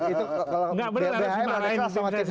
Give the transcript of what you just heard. itu kalau ddi sama tim ses